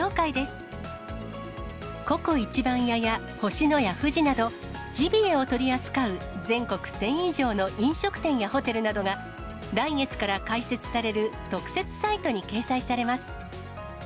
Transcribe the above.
番屋や星のや富士など、ジビエを取り扱う全国１０００以上の飲食店やホテルなどが来月から開設される、特設サイトに掲載されます。